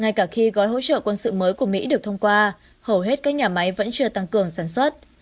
ngay cả khi gói hỗ trợ quân sự mới của mỹ được thông qua hầu hết các nhà máy vẫn chưa tăng cường sản xuất